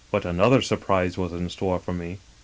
But another surprise was in store for me.